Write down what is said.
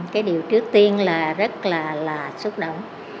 cái điều trước tiên là rất là xúc động